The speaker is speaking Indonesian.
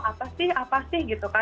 apa sih apa sih